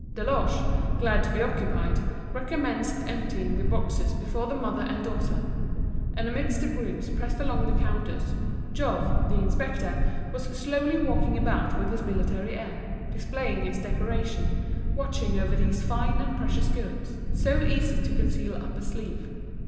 Deloche, glad to be occupied, recommenced emptying the boxes before the mother and daughter. And amidst the groups pressed along the counters, Jouve, the inspector, was slowly walking about with his military air, displaying his decoration, watching over these fine and precious goods, so easy to conceal up a sleeve.